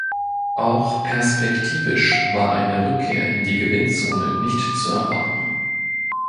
Auch perspektivisch war eine Rückkehr in die Gewinnzone nicht zu erwarten.